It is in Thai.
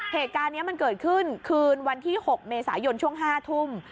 เหตุการณ์นี้มันเกิดขึ้นคืนวันที่๖เมษายนช่วง๕ทุ่ม